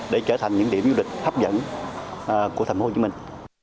để trở thành những điểm du lịch hấp dẫn của thành phố hồ chí minh